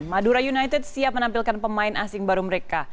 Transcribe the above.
madura united siap menampilkan pemain asing baru mereka